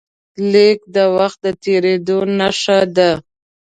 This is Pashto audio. لیک د وخت د تېرېدو نښه ده.